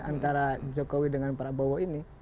antara jokowi dengan prabowo ini